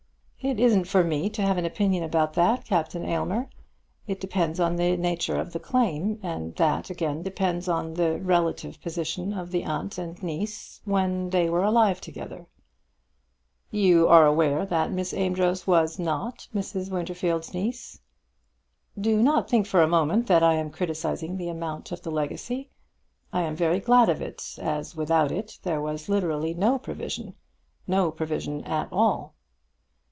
"It isn't for me to have an opinion about that, Captain Aylmer. It depends on the nature of the claim; and that again depends on the relative position of the aunt and niece when they were alive together." "You are aware that Miss Amedroz was not Mrs. Winterfield's niece?" "Do not think for a moment that I am criticising the amount of the legacy. I am very glad of it, as, without it, there was literally no provision, no provision at all."